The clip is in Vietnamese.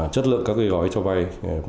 chất lượng các gây gói cho vay